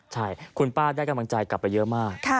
ใช่คุณป้าได้กำลังใจกลับไปเยอะมาก